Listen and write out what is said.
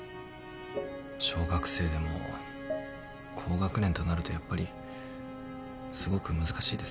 小学生でも高学年となるとやっぱりすごく難しいですね。